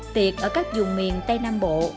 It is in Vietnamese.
tiệc ở các vùng miền tây nam bộ